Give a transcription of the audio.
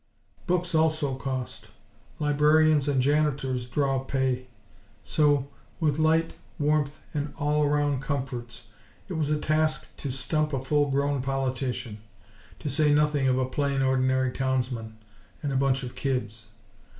Books also cost; librarians and janitors draw pay. So, with light, warmth, and all round comforts, it was a task to stump a full grown politician; to say nothing of a plain, ordinary townsman and a bunch of kids.